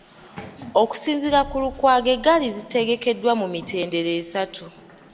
Okusinziira ku Lukwago eggaali zitegekeddwa mu mitendera esatu .